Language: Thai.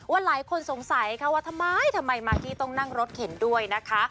หลายคนสงสัยค่ะว่าทำไมทำไมมากกี้ต้องนั่งรถเข็นด้วยนะคะ